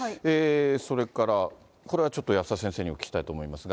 それから、これはちょっと保田先生にお聞きしたいと思いますが。